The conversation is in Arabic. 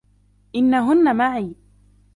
إنّهنّ معي.